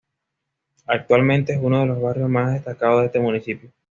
Actualmente es uno de los barrios más destacados de este municipio.